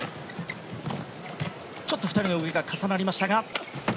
ちょっと２人の動きが重なりましたが。